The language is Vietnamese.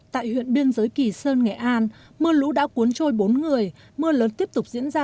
tại huyện biên giới kỳ sơn nghệ an mưa lũ đã cuốn trôi bốn người mưa lớn tiếp tục diễn ra